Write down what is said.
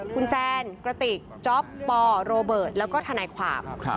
คุณแซนกระติกจ๊อปปโรเบิร์ตแล้วก็ทนายความ